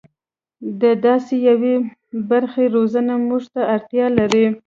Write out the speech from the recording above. د داسې یوې برخې روزنه موږ ته اړتیا لري.